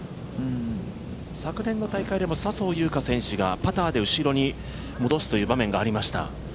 昨年の大会でも笹生優花選手がパターで後ろに戻すという場面がありました。